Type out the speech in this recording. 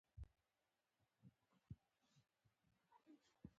د خپلې وروستۍ ځانګړنې ساتل یو څه ستونزمن دي.